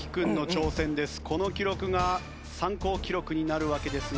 この記録が参考記録になるわけですが。